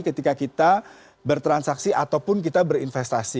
ketika kita bertransaksi ataupun kita berinvestasi